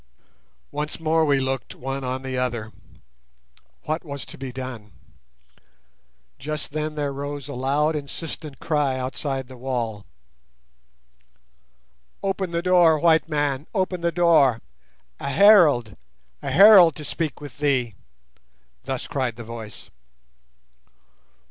Once more we looked one on the other. What was to be done? Just then there rose a loud insistent cry outside the wall. "Open the door, white man; open the door! A herald—a herald to speak with thee." Thus cried the voice.